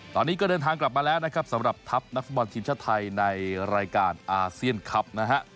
ตอนนี้ก็เดินทางกลับมาแล้วนะครับสำหรับทัพนักฟุตบอลทีมชาติไทยในรายการอาเซียนคลับนะฮะ